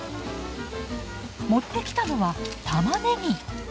持ってきたのはたまねぎ。